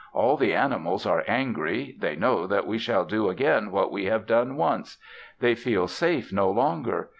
All the animals are angry. They know that we shall do again what we have done once. They feel safe no longer.